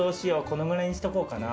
このぐらいにしとこうかな。